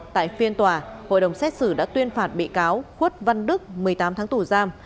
tại phiên tòa hội đồng xét xử đã tuyên phạt bị cáo khuất văn đức một mươi tám tháng tù giam